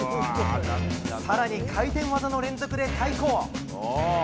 更に回転技の連続で対抗。